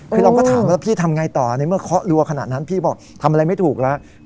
คือเราก็ถามว่าแล้วพี่ทำไงต่อในเมื่อเคาะรัวขนาดนั้นพี่บอกทำอะไรไม่ถูกแล้ว